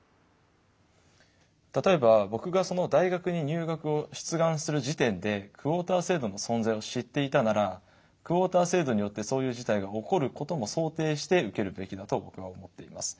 例えば僕がその大学に入学を出願する時点でクオータ制度の存在を知っていたならクオータ制度によってそういう事態が起こることも想定して受けるべきだと僕は思っています。